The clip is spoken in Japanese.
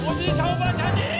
おばあちゃんに。